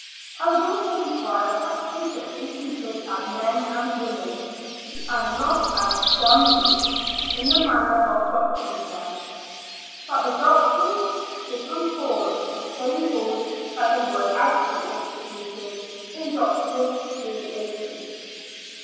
I would also require that patients be treated as men and women, and not as dumb beasts, in the manner of doctoring them ; that the doctors should conform to the same rules that they would out of the institution in doctoring free agents.